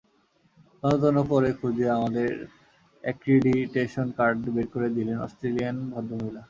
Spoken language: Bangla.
তন্নতন্ন করে খুঁজে আমাদের অ্যাক্রিডিটেশন কার্ড বের করে দিলেন অস্ট্রেলিয়ান ভদ্রমহিলা।